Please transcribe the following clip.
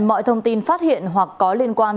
mọi thông tin phát hiện hoặc có liên quan